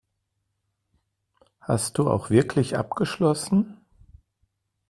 Hast du auch wirklich abgeschlossen?